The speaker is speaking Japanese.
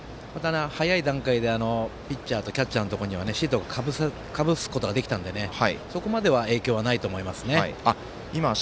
早い段階でピッチャーとキャッチャーのところにはシートをかぶせることはできたのでそこまでは影響はないと思います。